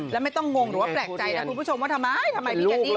และไม่ต้องงงหรือแปลกใจนะคุณผู้ชมว่าทำไม